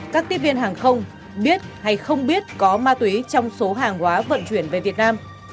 các tiếp viên hàng không biết hay không biết có ma túy trong số hàng hóa vận chuyển về việt nam